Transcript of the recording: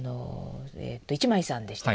一枚さんでしたっけ？